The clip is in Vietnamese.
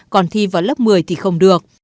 còn thi vào lớp một mươi thì không được